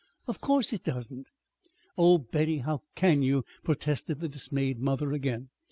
Of course it doesn't!" "Oh, Betty, how can you!" protested the dismayed mother again.